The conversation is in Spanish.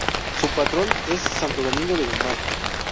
Su Patrono es Santo Domingo de Guzmán.